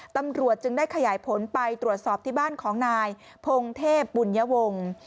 ตำรวจจึงได้ขยายผลไปตรวจสอบที่บ้านของนายพงเทพบุญยวงศ์